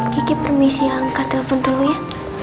gigi permisi ya engkau telepon dulu ya